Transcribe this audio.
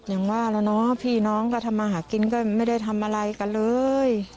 อย่างว่าแล้วเนาะพี่น้องก็ทำมาหากินก็ไม่ได้ทำอะไรกันเลย